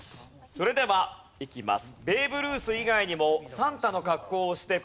それではいきます。